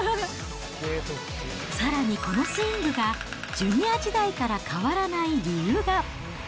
さらにこのスイングがジュニア時代から変わらない理由が。